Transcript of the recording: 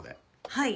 はい。